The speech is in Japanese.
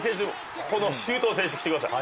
ここの周東選手来てください。